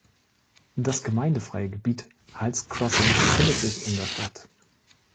Das gemeindefreie Gebiet Hulls Crossing befindet sich in der Stadt.